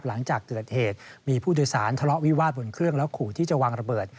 หลังจากเกิดเหตุมีผู้โดยสารทะเลาะวิวาดบนเครื่องแล้วขู่ที่จะวางระเบิด